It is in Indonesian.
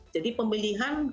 jadi pemilihan rekrutasi